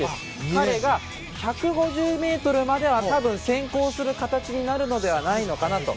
彼が１５０ｍまでは先行する形になるのではないかと。